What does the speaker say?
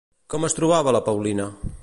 Com es trobava la Paulina?